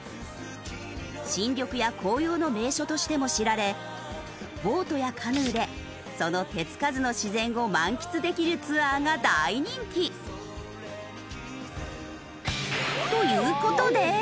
新緑や紅葉の名所としても知られボートやカヌーでその手つかずの自然を満喫できるツアーが大人気。という事で。